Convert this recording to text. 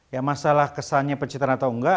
ya masalah kesannya pencitraan atau enggak